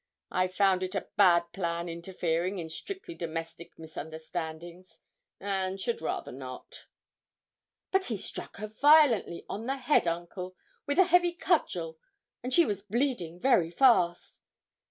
I've found it a bad plan interfering in strictly domestic misunderstandings, and should rather not.' 'But he struck her violently on the head, uncle, with a heavy cudgel, and she was bleeding very fast.'